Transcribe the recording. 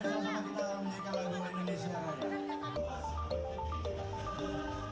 kita akan menjaga kemampuan indonesia